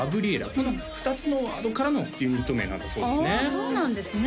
この２つのワードからのユニット名なんだそうですねあそうなんですね